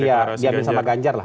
ya diambil sama ganjar lah